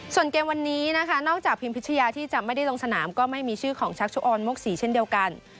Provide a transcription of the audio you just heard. ส่วนเกมวันนี้นะคะนอกจากพิมพิชยาที่จะไม่ได้ลงสนามก็ไม่มีชื่อของชักชุออนมกศรีเช่นเดียวกัน